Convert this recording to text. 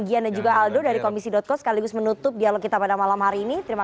gian dan juga aldo dari komisi co sekaligus menutup dialog kita pada malam hari ini terima kasih